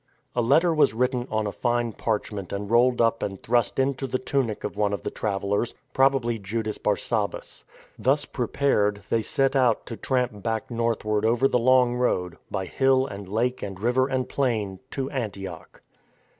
A letter was written on a fine parchment and rolled up and thrust into the tunic of one of the travel lers, probably Judas Bar Sabbas. Thus prepared, they set out to tramp back northward over the long road, by hill and lake and river and plain, to Antioch.